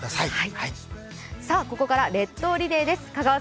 ここからは列島リレーです。